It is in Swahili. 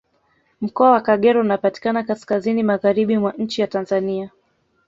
Mkoa wa Kagera unapatikana Kaskazini Magharibi mwa nchi ya Tanzania